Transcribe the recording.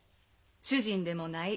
主人でもない。